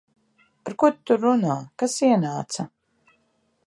Ar ko tu tur runā? Kas ienāca?